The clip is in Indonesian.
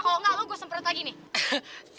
kalau enggak lo gue semprot lagi nih